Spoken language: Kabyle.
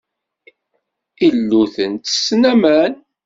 Iluten ttessen aman.